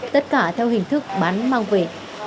tất cả theo hình thức bán mang về